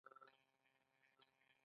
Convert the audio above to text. د دوی پر ځای بزګران په دندو وګمارل شول.